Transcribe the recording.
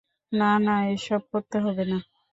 না, না, এসব করতে হবে না।